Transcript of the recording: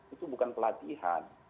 itu bukan pelatihan